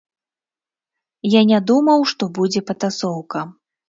Я не думаў, што будзе патасоўка.